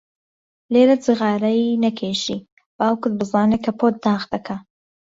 لێرە جغارەی نەکێشی، باوکت بزانێ کەپووت داغ دەکا.